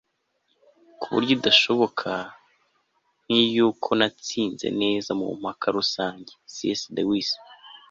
ku buryo idashoboka nk'iy'uko natsinze neza mu mpaka rusange - c s lewis